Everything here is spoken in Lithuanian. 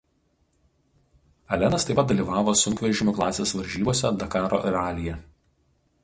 Alenas taip pat dalyvavo sunkvežimių klasės varžybose Dakaro ralyje.